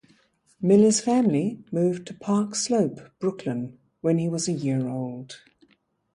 Miller's family moved to Park Slope, Brooklyn when he was a year old.